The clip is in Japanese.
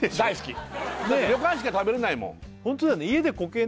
旅館しか食べれないもん